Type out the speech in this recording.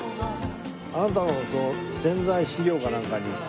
あなたの宣材資料かなんかに。